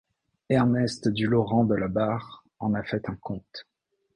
Ernest du Laurens de la Barre en a fait un conte.